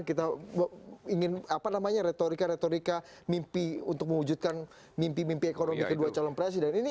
kita ingin apa namanya retorika retorika mimpi untuk mewujudkan mimpi mimpi ekonomi kedua calon presiden